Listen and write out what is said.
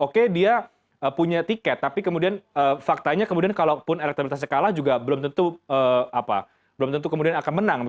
oke dia punya tiket tapi kemudian faktanya kemudian kalaupun elektabilitasnya kalah juga belum tentu kemudian akan menang